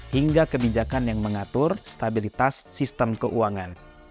hingga kebijakan yang mengatur stabilitas sistem keuangan